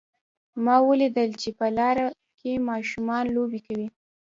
ما ولیدل چې په لاره کې ماشومان لوبې کوي